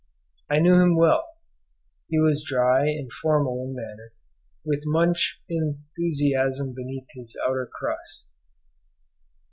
I knew him well; he was dry and formal in manner, with much enthusiasm beneath this outer crust.